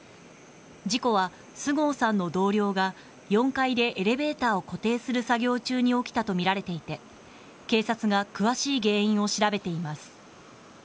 事故は菅生さんの同僚が４階でエレベーターを固定する作業中に起きたとみられていて警察が詳しい原因を調べています。